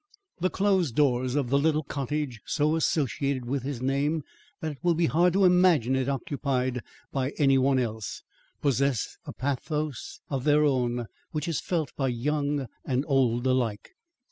The closed doors of the little cottage, so associated with his name that it will be hard to imagine it occupied by any one else, possess a pathos of their own which is felt by young and old alike.